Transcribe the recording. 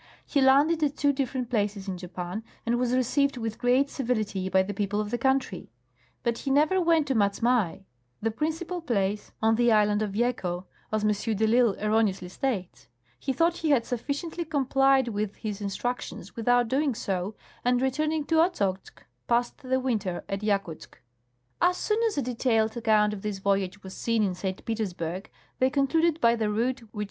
He landed at two different places in Japan and was received with great civility by the people of the country ; but he never went to Matsmai, the principal jalace 226 General A. W. Greely — Bering's First Voyage. oil the island of Yeco, as M. de I'lsle erroneouslj' states. He thought he had sufficiently complied with his instructions without doing so, and re turning to Ochozk, passed the winter at Yakouzk. As soon as a detailed account of this voyage was seen in St. Petersburg they concluded by the route which M.